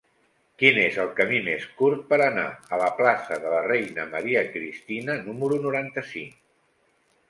Quin és el camí més curt per anar a la plaça de la Reina Maria Cristina número noranta-cinc?